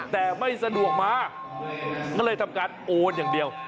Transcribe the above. แต่ไม่สะดวกมาก็เลยทำการโอนอย่างเดียว